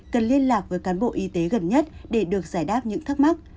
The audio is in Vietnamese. cần liên lạc với cán bộ y tế gần nhất để được giải đáp những thắc mắc